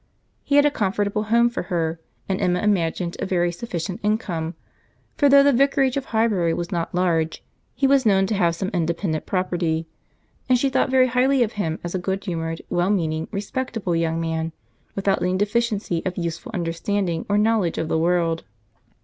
He had a comfortable home for her, and Emma imagined a very sufficient income; for though the vicarage of Highbury was not large, he was known to have some independent property; and she thought very highly of him as a good humoured, well meaning, respectable young man, without any deficiency of useful understanding or knowledge of the world.